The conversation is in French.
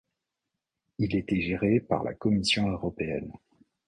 Il était géré par la Commission européenne.